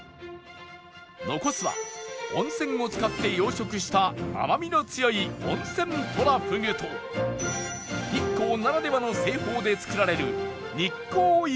残すは温泉を使って養殖した甘みの強い温泉トラフグと日光ならではの製法で作られる日光湯波だが